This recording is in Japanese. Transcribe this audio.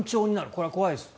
これは怖いです。